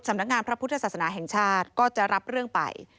นักงานพระพุทธศาสนาแห่งชาติก็จะรับเรื่องไป